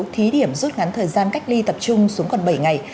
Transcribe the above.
thí điểm rút ngắn thời gian cách ly tập trung xuống còn bảy ngày